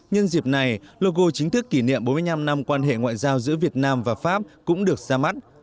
nhân dịp này logo chính thức kỷ niệm bốn mươi năm năm quan hệ ngoại giao giữa việt nam và pháp cũng được ra mắt